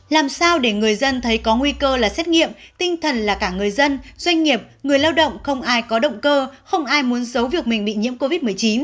làm sao để người dân thấy có nguy cơ là xét nghiệm tinh thần là cả người dân doanh nghiệp người lao động không ai có động cơ không ai muốn giấu việc mình bị nhiễm covid một mươi chín